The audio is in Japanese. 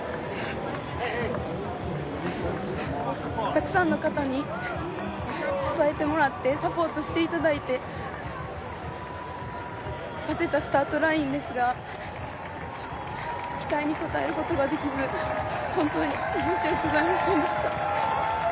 たくさんの方に支えてもらって、サポートしていただいて立てたスタートラインですが期待に応えることができず本当に申し訳ございませんでした。